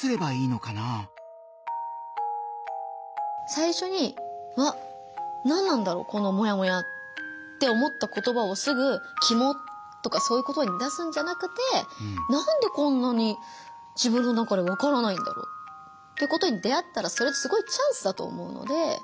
最初に「わっ何なんだろうこのモヤモヤ」って思った言葉をすぐ「キモッ」とかそういう言葉に出すんじゃなくて何でこんなに自分の中で分からないんだろうってことに出会ったらそれってすごいチャンスだと思うので。